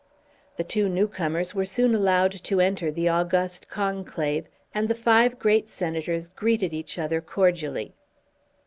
The two newcomers were soon allowed to enter the august conclave, and the five great senators greeted each other cordially.